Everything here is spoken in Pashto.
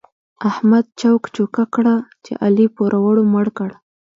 احمد چوک چوکه کړه چې علي پوروړو مړ کړ.